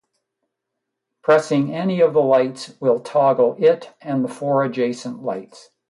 Pressing any of the lights will toggle it and the four adjacent lights.